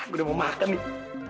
udah mau makan nih